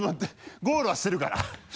ゴールはしてるから。